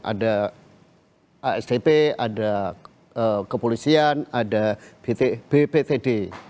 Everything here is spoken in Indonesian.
ada asdp ada kepolisian ada bptd